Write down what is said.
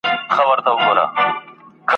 په لوګیو، سرو لمبو دوړو کي ورک دی ,